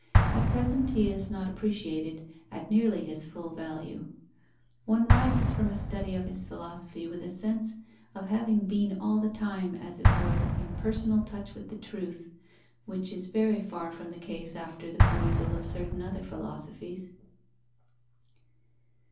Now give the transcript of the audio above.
At present he is not appreciated at nearly his full value. One rises from a study of his philosophy with a sense of having been all the time as it were in personal touch with the truth, which is very far from the case after the perusal of certain other philosophies.